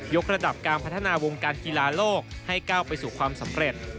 กระดับการพัฒนาวงการกีฬาโลกให้ก้าวไปสู่ความสำเร็จ